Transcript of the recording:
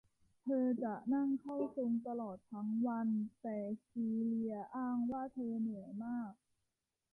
เธอจะนั่งเข้าทรงตลอดทั้งวัน แต่ซีเลียอ้างว่าเธอเหนื่อยมาก